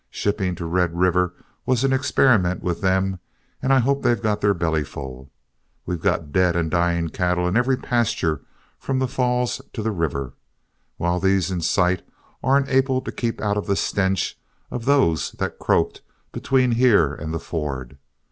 Shipping to Red River was an experiment with them, and I hope they've got their belly full. We've got dead and dying cattle in every pasture from the falls to the river, while these in sight aren't able to keep out of the stench of those that croaked between here and the ford.